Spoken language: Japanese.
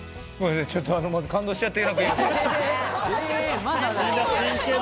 ちょっと感動しちゃって。